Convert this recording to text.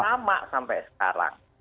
sama sampai sekarang